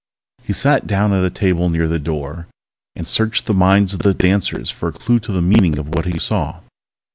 He sat down at a table near the door and searched the minds of the dancers for a clue to the meaning of what he saw.